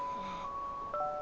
あ。